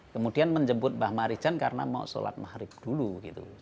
kemudian menjemput bah marijan karena mau sholat maharib dulu